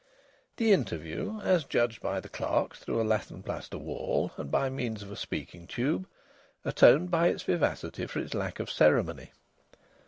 The interview, as judged by the clerks through a lath and plaster wall and by means of a speaking tube, atoned by its vivacity for its lack of ceremony.